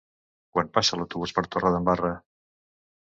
Quan passa l'autobús per Torredembarra?